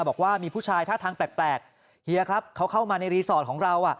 บอกว่ามีผู้ชายท่าทางแปลกเฮียครับเขาเข้ามาในรีสอร์ทของเรา